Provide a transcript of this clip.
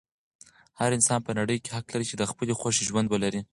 هر انسان په نړۍ کې حق لري چې د خپلې خوښې ژوند ولري.